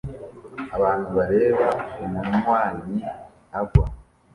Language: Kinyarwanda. Abantu bareba umunywanyi agwa